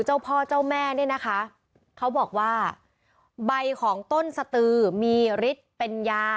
เจ้าพ่อเจ้าแม่เนี่ยนะคะเขาบอกว่าใบของต้นสตือมีฤทธิ์เป็นยา